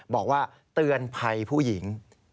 บอกว่าเตือนภัยผู้หญิง